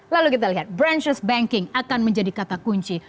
lalu kita lihat branchess banking akan menjadi kata kunci